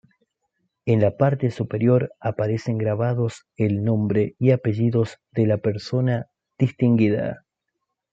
En la parte superior aparecen grabados el nombre y apellidos de la persona distinguida.